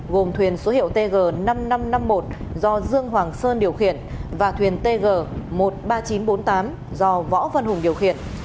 gồm thuyền số hiệu tg năm nghìn năm trăm năm mươi một do dương hoàng sơn điều khiển và thuyền tg một mươi ba nghìn chín trăm bốn mươi tám do võ văn hùng điều khiển